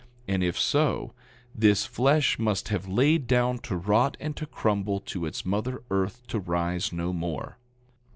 And if so, this flesh must have laid down to rot and to crumble to its mother earth, to rise no more.